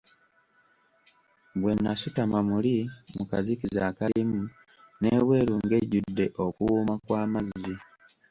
Bwe nasutama muli mu kazikiza akalimu, n'ebweru ng'ejjudde okuwuuma kw'amazzi.